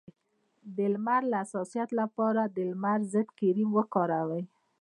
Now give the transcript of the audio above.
د لمر د حساسیت لپاره د لمر ضد کریم وکاروئ